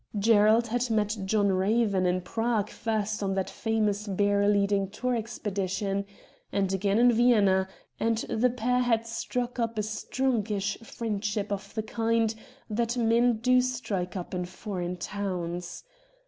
Gerald had met John Eaven in Prague first on that famous bear leading tour expedition, and again in Vienna, and the pair had struck up a strongish friendship of the kind that men do strike up in foreign towns.